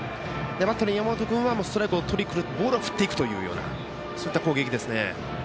バッターはストライクをとりにくるボールは振っていくという攻撃ですね。